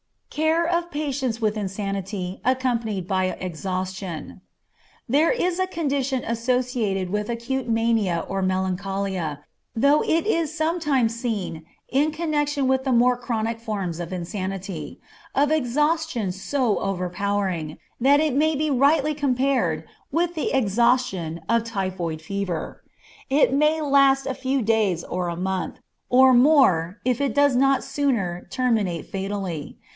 Care of Patients with Insanity, Accompanied by Exhaustion. There is a condition associated with acute mania or melancholia though it is sometimes seen in connection with the more chronic forms of insanity, of exhaustion so overpowering, that it may be rightly compared with the exhaustion of typhoid fever. It may last a few days or a month, or more, if it does not sooner terminate fatally.